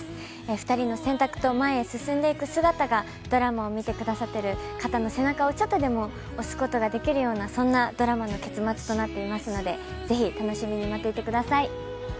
２人の選択と前に進んでいく姿がドラマを見てくださっている方の背中をちょっとでも押すことができるようなそんなドラマの結末となっていますのでぜひ楽しみに待っていてください。